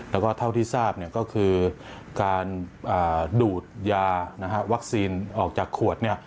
แล้วก็เท่าที่ทราบก็คือการดูดยาวัคซีนออกจากขวดเนี่ย